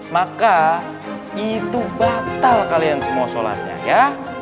maka itu batal kalian semua sholatnya ya